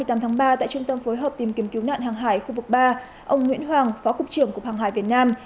trung tâm phối hợp tìm kiếm cứu nạn hàng hải khu vực ba ông nguyễn hoàng phó cục trưởng cục hàng hải việt nam